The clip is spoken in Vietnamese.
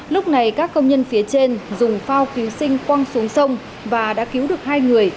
lúc này các công nhân phía trên dùng phao cứu sinh quăng xuống sông và đã cứu được hai người